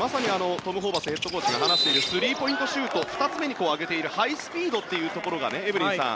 まさにトム・ホーバスヘッドコーチが言っているスリーポイントシュート２つ目に挙げているハイスピードがエブリンさん